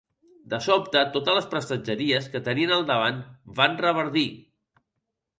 De sobte, totes les prestatgeries que tenien al davant van reverdir.